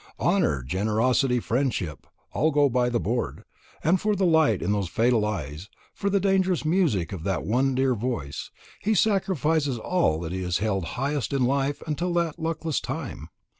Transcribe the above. Honour, generosity, friendship, all go by the board; and for the light in those fatal eyes, for the dangerous music of that one dear voice, he sacrifices all that he has held highest in life until that luckless time.